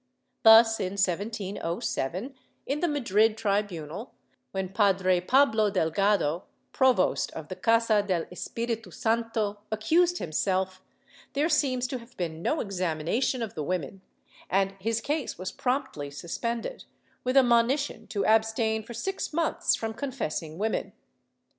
Thus, in 1707, in the Madrid tribunal, when Padre Pal^lo Delgado, provost of the Casa del Espiritu Santo, accused himself, there seems to have been no examination of the women and his case was promptly suspended, with a monition to abstain for six months from con fessing women